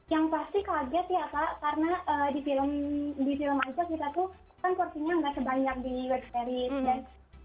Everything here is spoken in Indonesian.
yang pasti kaget ya pak karena di film aja kita tuh kan porsinya nggak sebanyak di web series